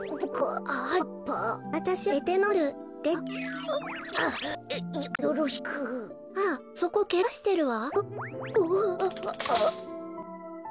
あらそこけがしてるわ。